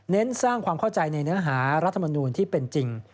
สร้างความเข้าใจในเนื้อหารัฐมนูลที่เป็นจริง